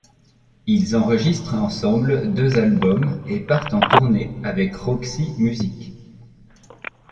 Ils enregistrent ensemble deux albums et partent en tournée avec Roxy Music.